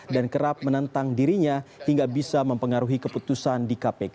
dan kerap menentang dirinya hingga bisa mempengaruhi keputusan di kpk